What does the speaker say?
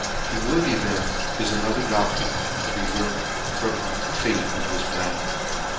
Humility, then, is ano ther doctrine to be learned from the fate of this man.